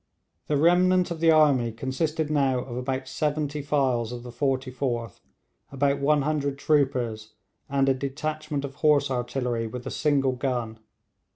The remnant of the army consisted now of about seventy files of the 44th, about 100 troopers, and a detachment of horse artillery with a single gun.